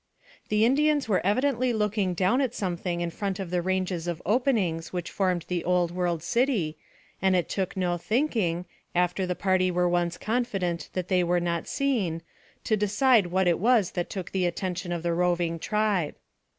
The Indians were evidently looking down at something in front of the ranges of openings which formed the old world city, and it took no thinking, after the party were once confident that they were not seen, to decide what it was that took the attention of the roving tribe.